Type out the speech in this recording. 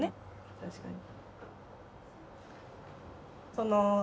確かに。